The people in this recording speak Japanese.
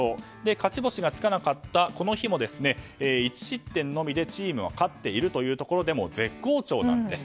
勝ち星がつかなかったこの日も、１失点のみでチームは勝っているということでも絶好調なんです。